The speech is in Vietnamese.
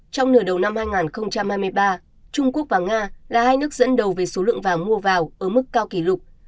trong nửa đầu năm hai nghìn hai mươi ba trung quốc và nga là hai nước dẫn đầu về số lượng vàng mua vào ở mức cao kỷ lục